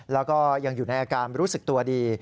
แล้วก็ยังอยู่ในอาการรู้สึกตัวดี